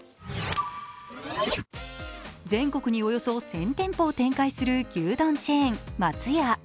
全国におよそ１０００店舗を展開する牛丼チェーン・松屋。